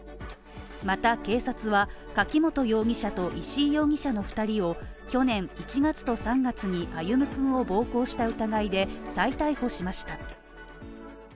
また警察は柿本容疑者と石井容疑者の２人を、去年１月と３月に歩夢君を暴行した疑いで再逮捕しました。